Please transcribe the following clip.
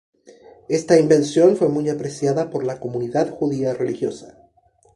Esta invención fue muy apreciada por la comunidad judía religiosa.